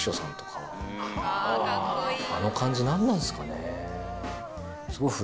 あの感じ何なんすかね？